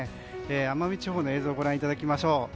奄美地方の映像をご覧いただきましょう。